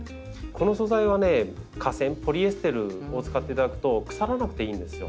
この素材はね化繊ポリエステルを使っていただくと腐らなくていいんですよ。